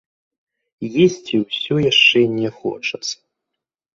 Есці ўсё яшчэ не хочацца.